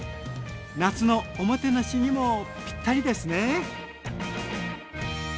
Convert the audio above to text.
夏のおもてなしにもぴったりですね。